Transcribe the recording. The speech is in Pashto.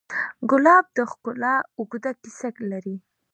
ګلاب د ښکلا اوږده کیسه لري.